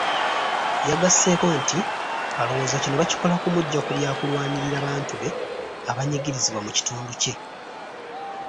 Yagasseeko nti alowooza kino bakikola kumuggya ku byakulwanirira bantu be abanyigirizibwa mu kitundu kye.